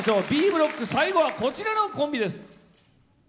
Ｂブロック最後はこちらのコンビです。